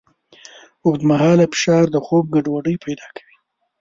اوږدمهاله فشار د خوب ګډوډۍ پیدا کوي.